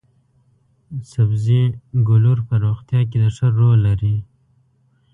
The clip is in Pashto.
سبزي ګولور په روغتیا کې د ښه رول لري.